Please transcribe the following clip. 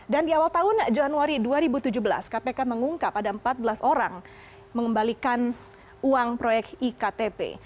di awal tahun januari dua ribu tujuh belas kpk mengungkap ada empat belas orang mengembalikan uang proyek iktp